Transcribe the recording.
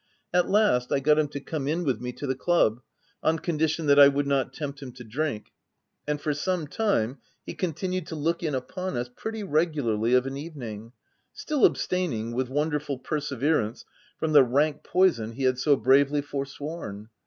At last, I got him to come in with n\e to the club, on condition that I would not tempt him to drink ; and for some time, he continued to look in upon us pretty regularly of an evening, — still abstain ing, with wonderful perseverance, from the c rank poison ' he had so bravely forsworn.